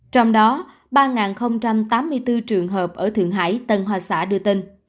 trong đó ba tám mươi bốn trường hợp ở thượng hải tân hoa xã đưa tin